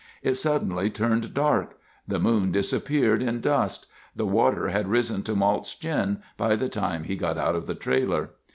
It suddenly turned dark. The moon disappeared in dust. The water had risen to Mault's chin by the time he got out of the trailer.